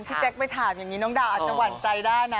แจ๊คไปถามอย่างนี้น้องดาวอาจจะหวั่นใจได้นะ